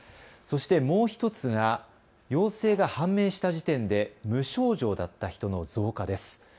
そしてもう１つが陽性が判明した時点で無症状だった人の増加です。